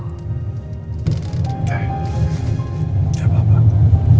nek gak apa apa